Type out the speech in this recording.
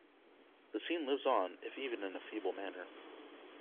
The scene lives on if even in a feeble manner.